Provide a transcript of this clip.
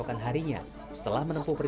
pemlayar weitere setelah bukan kerubuk tanaman